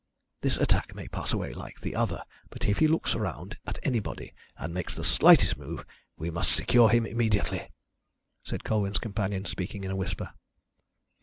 "This attack may pass away like the other, but if he looks round at anybody, and makes the slightest move, we must secure him immediately," said Colwyn's companion, speaking in a whisper.